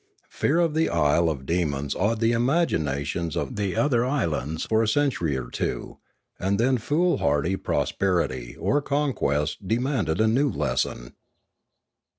Fear of the isle of demons awed the imaginations of the other islands for a century or two, and then foolhardy prosperity, or conquest, demanded a new lesson.